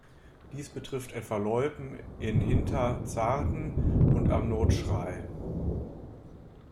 Dies betrifft etwa Loipen in Hinterzarten und am Notschrei.